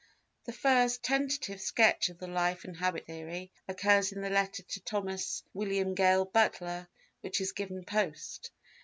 The first tentative sketch of the Life and Habit theory occurs in the letter to Thomas William Gale Butler which is given post.